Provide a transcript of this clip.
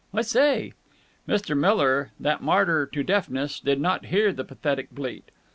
"I say!" Mr. Miller, that martyr to deafness, did not hear the pathetic bleat.